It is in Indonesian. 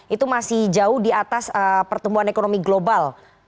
itu masih jauh di atas pertumbuhan ekonomi global